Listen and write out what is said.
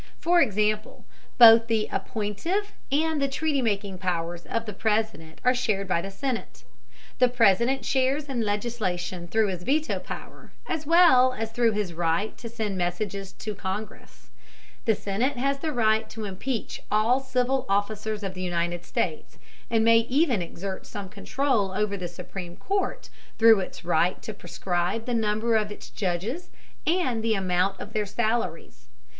For example, both the appointive and the treaty making powers of the President are shared by the Senate. The President shares in legislation through his veto power, as well as through his right to send messages to Congress. The Senate has the right to impeach all civil officers of the United States, and may even exert some control over the Supreme Court through its right to prescribe the number of its judges and the amount of their salaries.